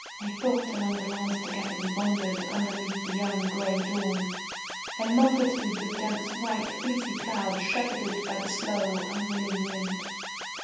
"Methought, among the lawns together, we wandered underneath the young grey dawn. And multitudes of dense white fleecy clouds shepherded by the slow, unwilling wind...."